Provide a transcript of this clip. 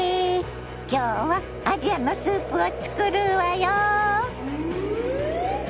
今日はアジアのスープを作るわよ。